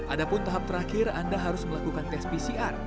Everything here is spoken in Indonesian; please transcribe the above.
adapun tahap terakhir anda harus melakukan tes pcr negatif sebelum berangkat